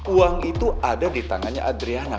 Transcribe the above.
uang itu ada di tangannya adriana